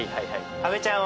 阿部ちゃんは。